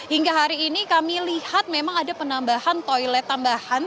hingga hari ini kami lihat memang ada penambahan toilet tambahan